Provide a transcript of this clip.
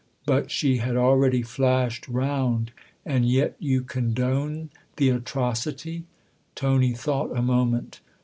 But she had already flashed round. " And yet you condone the atrocity ?" Tony thought a moment.